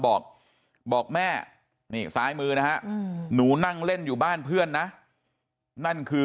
บอกบอกแม่นี่ซ้ายมือนะฮะหนูนั่งเล่นอยู่บ้านเพื่อนนะนั่นคือ